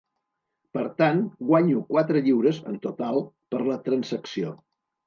Per tant, guanyo quatre lliures (en total) per la transacció!